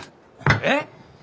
えっ！？